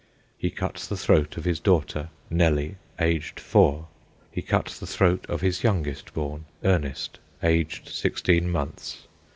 He cut the throat of his daughter, Nellie, aged four. He cut the throat of his youngest born, Ernest, aged sixteen months.